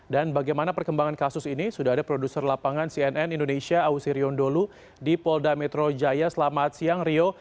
dan bagaimana perkembangan kasus ini sudah ada produser lapangan cnn indonesia ausi riondolu di polda metro jaya selamat siang rio